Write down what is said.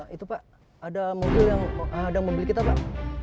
itu pak ada mobil yang ada membeli kita pak